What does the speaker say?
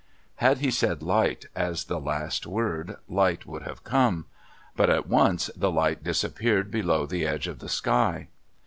Had he said "light" as the last word, light would have come. But at once the light disappeared below the edge of the sky.